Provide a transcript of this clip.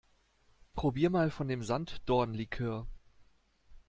Probier mal von dem Sanddornlikör!